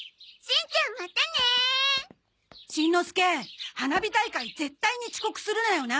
しんのすけ花火大会絶対に遅刻するなよな。